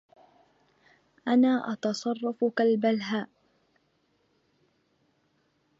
أنا أتصرّف كالبلهاء.